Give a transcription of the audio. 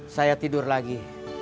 saya tidur lagi